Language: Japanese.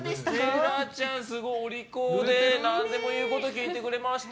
ジェラちゃん、すごいお利口で何でも言うこと聞いてくれました。